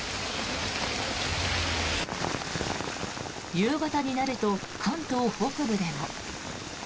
夕方になると関東北部でも。